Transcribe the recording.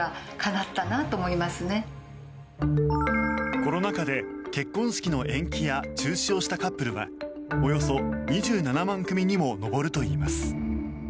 コロナ禍で結婚式の延期や中止をしたカップルはおよそ２７万組にも上るといいます。